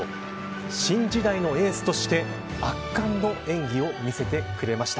新時代のエースとして圧巻の演技を見せてくれました。